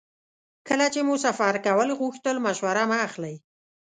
کله چې مو سفر کول غوښتل مشوره مه اخلئ.